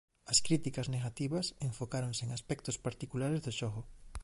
As críticas negativas enfocáronse en aspectos particulares do xogo.